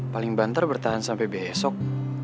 paling bantar bertahan sampai besok